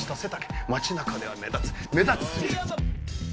街中では目立つ目立ち過ぎる。